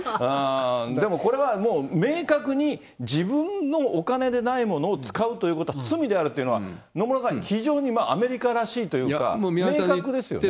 でもこれはもう、明確に自分のお金でないものを使うということは罪であるというのは、野村さん、非常にアメリカらしいというか、明確ですよね。